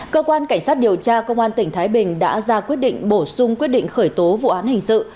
cơ quan cảnh sát điều tra công an tỉnh thái bình đã ra quyết định bổ sung quyết định khởi tố vụ án hình sự